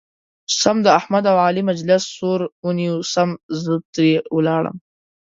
سم د احمد او علي مجلس سور ونیو سم زه ترې ولاړم.